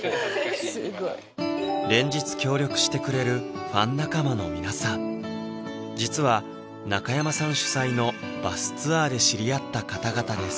連日協力してくれるファン仲間の皆さん実は中山さん主催のバスツアーで知り合った方々です